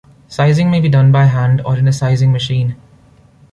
Sizing may be done by hand, or in a sizing machine.